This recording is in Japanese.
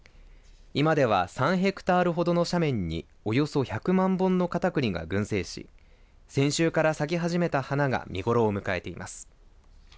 今では３ヘクタールほどの斜面におよそ１００万本のカタクリが群生し先週から咲き始めた花が見頃を迎えています。